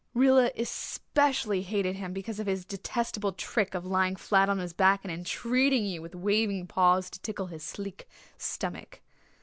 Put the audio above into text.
Rilla especially hated him because of his detestable trick of lying flat on his back and entreating you with waving paws to tickle his sleek stomach.